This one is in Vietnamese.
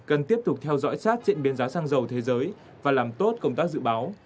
cần tiếp tục theo dõi sát diễn biến giá xăng dầu thế giới và làm tốt công tác dự báo